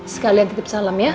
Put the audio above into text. sekalian titip salam ya